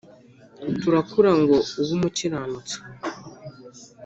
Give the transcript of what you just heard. turakura ngo ube umukiranutsi